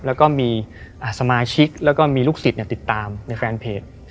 แล้วก็มีสมาชิกแล้วก็มีลูกศิษย์ติดตามในแฟนเพจ